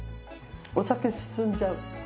お酒進んじゃう。